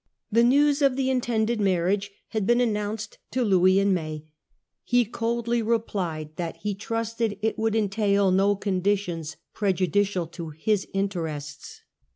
The news of the intended marriage had been announced to Louis in May ; he coldly replied that he trusted it would entail no conditions prejudicial to his interests.